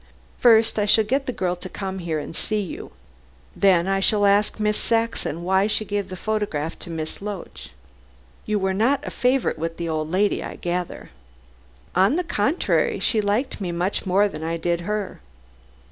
"First, I shall get the girl to come here and see you. Then I shall ask Miss Saxon why she gave the photograph to Miss Loach. You were not a favorite with the old lady, I gather." "On the contrary, she liked me much more than I did her."